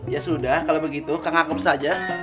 ya sudah kalau begitu kang agup saja